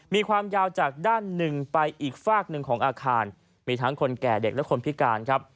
มีความยาวจากด้านหนึ่งไปอีกฝากหนึ่งของอาคารมีทั้งคนแก่เด็กและคนพิการครับ